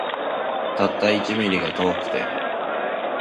たった一ミリが遠くて